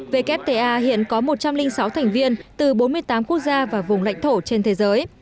wta hiện có một trăm linh sáu thành viên từ bốn mươi tám quốc gia và vùng lãnh thổ trên thế giới